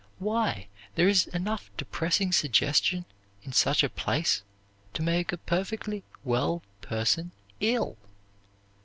Why, there is enough depressing suggestion in such a place to make a perfectly well person ill!